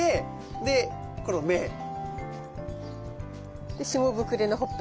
でこの目。で下ぶくれのほっぺ。